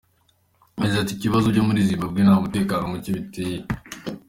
Yagize ati “Ibibazo byo muri Zimbabwe nta mutekano muke biteye.